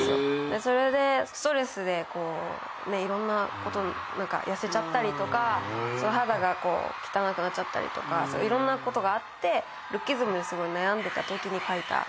それでストレスで痩せちゃったりとか肌が汚くなっちゃったりとかいろんなことがあってルッキズムにすごい悩んでたときに書いた楽曲で。